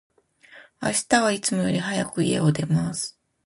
明日は、いつもより早く、家を出ます。